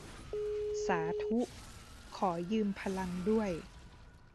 สาธุ ขอยืมพลังด้วย